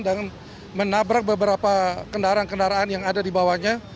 dan menabrak beberapa kendaraan kendaraan yang ada di bawahnya